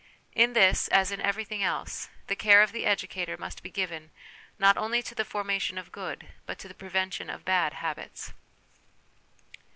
In this, as in everything else, the care of the educator must be given, not only to the formation of good, but to the prevention of bad habits.